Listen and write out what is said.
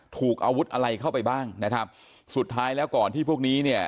ถูกอาวุธอะไรเข้าไปบ้างนะครับสุดท้ายแล้วก่อนที่พวกนี้เนี่ย